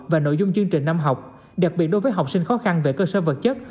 và nội dung chương trình năm học đặc biệt đối với học sinh khó khăn về cơ sở vật chất